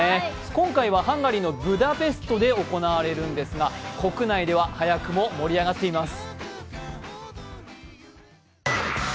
今回はハンガリーのブダペストで行われるんですが国内では早くも盛り上がっています。